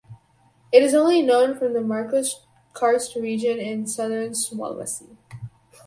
It is only known from the Maros karst region in southwestern Sulawesi.